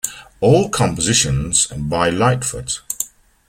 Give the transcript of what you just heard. All compositions by Lightfoot.